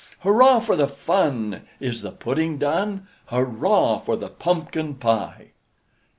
Hurrah for the fun! Is the pudding done? Hurrah for the pumpkin pie?